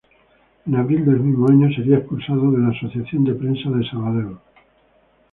En abril del mismo año sería expulsado de la Asociación de Prensa de Sabadell.